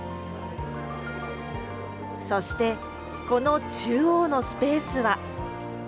そして、この中央のスペースは。